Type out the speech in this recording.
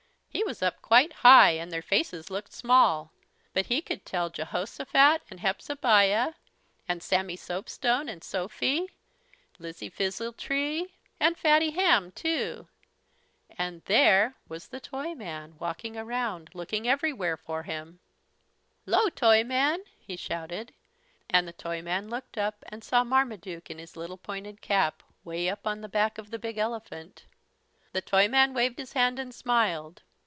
He was up quite high and their faces looked small, but he could tell Jehosophat, and Hepzebiah, and Sammy Soapstone, and Sophy, Lizzie Fizzletree, and Fatty Hamm, too. And there was the Toyman walking around, looking everywhere for him. "'Llo, Toyman," he shouted, and the Toyman looked up and saw Marmaduke in his little pointed cap, way up on the back of the big elephant. The Toyman waved his hand and smiled.